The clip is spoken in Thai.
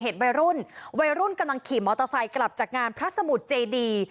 วัยรุ่นวัยรุ่นกำลังขี่มอเตอร์ไซค์กลับจากงานพระสมุทรเจดี